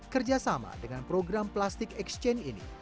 kerjasama dengan program plastik exchange ini